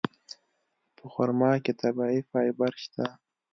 په خرما کې طبیعي فایبر شته.